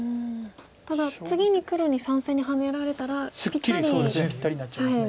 ただ次に黒に３線にハネられたらぴったり左辺黒地ですよね。